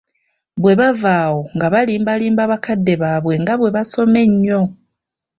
Bwe bava awo nga balimbalimba bakadde baabwe nga bwe basoma ennyo.